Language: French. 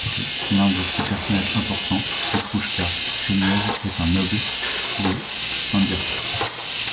L'un de ses personnages importants, Petrouchka Griniov, est un noble de Simbirsk.